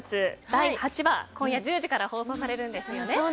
第８話今夜１０時から放送されるんですよね。